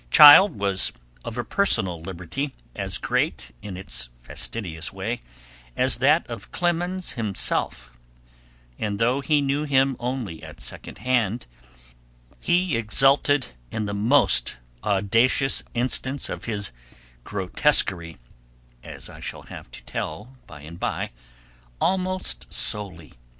Child was of a personal liberty as great in its fastidious way as that of Clemens himself, and though he knew him only at second hand, he exulted in the most audacious instance of his grotesquery, as I shall have to tell by and by, almost solely.